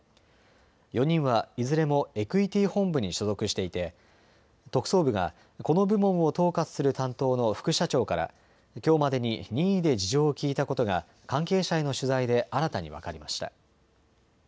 ４人はいずれもエクイティ本部に所属していて特捜部が、この部門を統括する担当の副社長からきょうまでに任意で事情を聴いたことが関係者への取材で新たに分かりました。